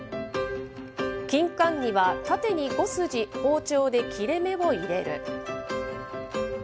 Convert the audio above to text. キンカンには縦に５筋、包丁で切れ目を入れる。